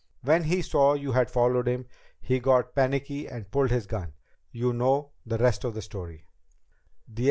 When he saw you had followed him, he got panicky and pulled his gun. You know the rest of the story."